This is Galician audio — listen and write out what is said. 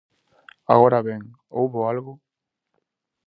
Agora ben, houbo algo?